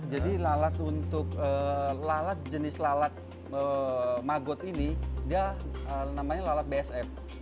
jadi jenis alat maggot ini dia namanya alat bsf